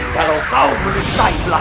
kalau kau menyesailah